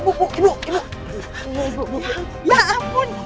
di ibunya vikings